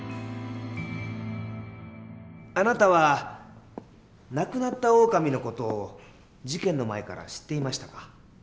あなたは亡くなったオオカミの事を事件の前から知っていましたか？